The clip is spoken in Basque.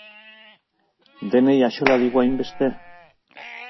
Denei axola digu hainbeste?